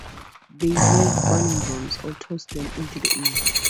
They wave burning brooms or toss them into the air.